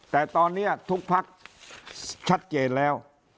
แต่ตอนนี้ทุกพักชัดเจนแล้ว